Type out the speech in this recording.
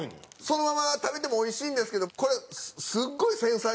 そのまま食べてもおいしいんですけどこれ繊細？